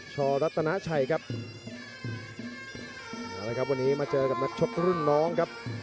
รัตนาชัยครับเอาละครับวันนี้มาเจอกับนักชกรุ่นน้องครับ